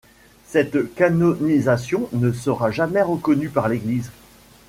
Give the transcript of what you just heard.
Cette canonisation ne sera jamais reconnue par l'Église.